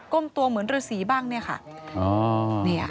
ก้มตัวเหมือนฤษีบ้างเนี่ยค่ะอ๋อเนี่ย